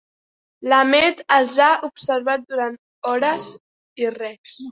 L'Ahmed els ha observat durant hores i res.